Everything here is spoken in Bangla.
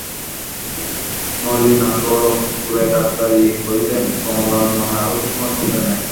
নলিনাক্ষ–রঙপুরে ডাক্তারি করিতেন–কমলার মনে আর তো কোনো সন্দেহ নাই।